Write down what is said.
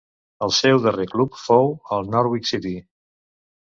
El seu darrer club fou el Norwich City.